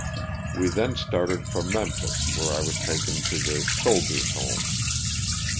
We then started for Memphis where I was taken to the "Soldiers' Home."